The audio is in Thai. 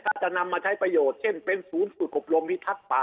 ถ้าจะนำมาใช้ประโยชน์เช่นเป็นศูนย์ฝึกอบรมพิทักษ์ป่า